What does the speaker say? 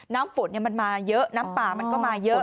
น้ำฝนมันมาเยอะน้ำป่ามันก็มาเยอะ